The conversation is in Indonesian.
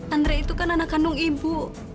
andre itu kan anak kandung ibu